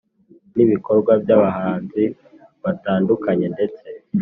n’ibikorwa by’abahanzi batandukanye ndetse